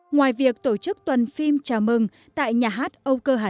ngoài việc tổ chức tuần phim chào mừng tại nhà hát âu cơ hàm